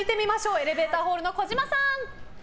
エレベーターホールの児嶋さん。